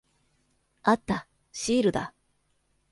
あった。シールだ。